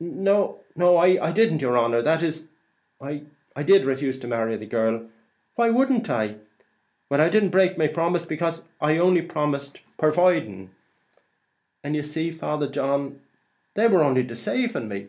"No I didn't, yer honer; that is, I did refuse to marry the girl; why wouldn't I? But I didn't break my promise, becase I only promised, purviding ; and you see, Father John, they was only decaving me."